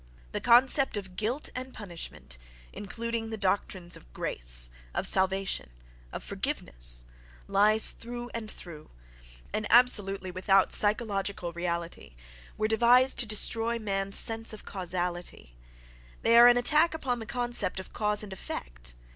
—The concept of guilt and punishment, including the doctrines of "grace," of "salvation," of "forgiveness"—lies through and through, and absolutely without psychological reality—were devised to destroy man's sense of causality: they are an attack upon the concept of cause and effect!